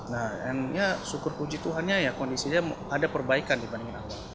nah ya syukur puji tuhan ya kondisinya ada perbaikan dibandingin awal